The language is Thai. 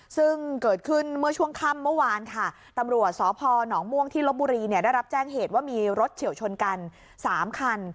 ซึ่งเกิดขึ้นเมื่อช่วงค่ำเมื่อวานค่ะตำรวจสพหนองม่วงที่ลบบุรีได้รับแจ้งเหตุว่ามีรถเฉียวชนกัน๓คัน